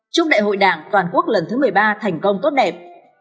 chúc đại hội đảng toàn quốc lần thứ một mươi ba thành công tốt đẹp